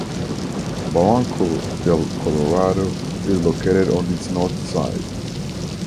Barranco del Colorado is located on its north side.